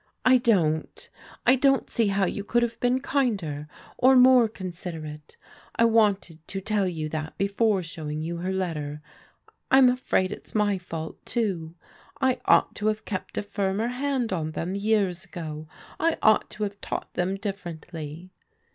I don't. I don't see how you could have been kinder, or more considerate* I wanted to tell you that beiort showing you Tiet XeX^&t^ 126 PBODIGAL DAUGHTEES I'm afraid it's my fault, too. I ought to have kept a firmer hand on them years aga I ought to have taught them differently."